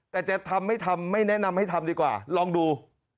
แต่จะทำไม่ทำไม่แนะนำให้ทำดีกว่าลองดู